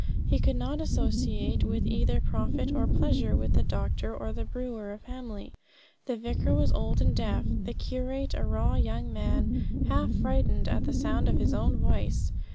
He could not associate with either profit or pleasure with the doctor or the brewer of Hamley; the vicar was old and deaf, the curate a raw young man, half frightened at the sound of his own voice.